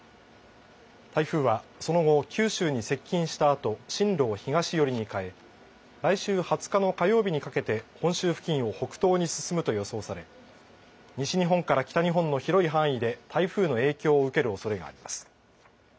台風はその後、九州に接近したあと、進路を東寄りに変え、来週２０日の火曜日にかけて本州付近を北東に進むと予想され西日本から北日本の広い範囲で台風の影響を受けるおそれがあります。